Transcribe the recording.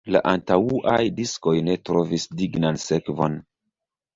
La antaŭaj diskoj ne trovis dignan sekvon.